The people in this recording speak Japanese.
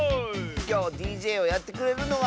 きょうＤＪをやってくれるのは。